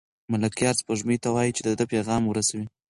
ملکیار سپوږمۍ ته وايي چې د ده پیغام ورسوي.